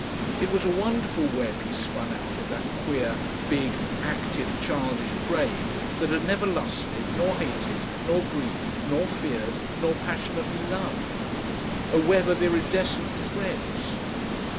It was a wonderful web he spun out of that queer big active childish brain that had never lusted nor hated nor grieved nor feared nor passionately loved, a web of iridescent threads.